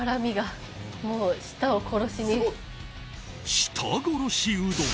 舌殺しうどん。